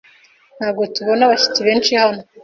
Ntabwo tubona abashyitsi benshi hano.